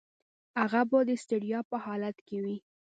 هغه به د ستړیا په حالت کې وي.